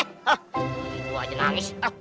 itu aja nangis